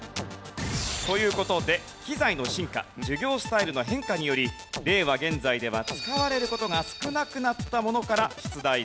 という事で機材の進化授業スタイルの変化により令和現在では使われる事が少なくなったものから出題です。